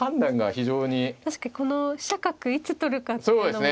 確かにこの飛車角いつ取るかっていうのも難しいですね。